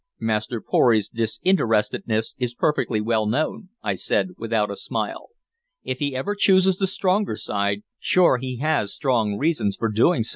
"Master Pory's disinterestedness is perfectly well known," I said, without a smile. "If he ever chooses the stronger side, sure he has strong reasons for so doing.